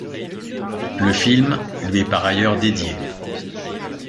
Le film lui est par ailleurs dédié.